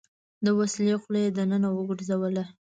د وسلې خوله يې دننه وګرځوله.